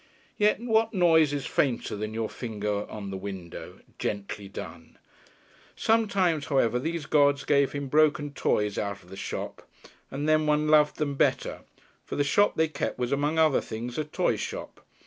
Yet what noise is fainter than your finger on the window gently done? Sometimes, however, these gods gave him broken toys out of the shop, and then one loved them better for the shop they kept was, among other things, a toy shop.